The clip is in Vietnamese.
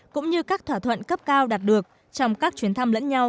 cũng như các thỏa thuận cấp cao đạt được trong các chuyến thăm lẫn nhau